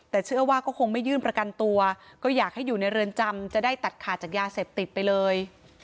แต่เชื่อว่าก็คงไม่ยื่นประกันตัวก็อยากให้อยู่ในเรือนจำจะได้ตัดขาดจากยาเสพติดไปเลย